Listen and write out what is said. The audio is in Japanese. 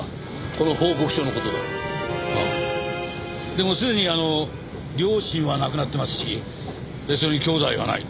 でもすでに両親は亡くなってますしそれに兄弟がない。